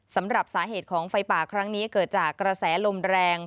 สำหรับสาเหตุของไฟป่าครั้งนี้เกิดจากกระแสลมแรง